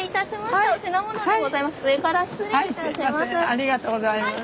ありがとうございます。